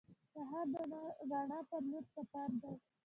سهار د رڼا په لور سفر دی.